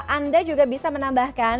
anda juga bisa menambahkan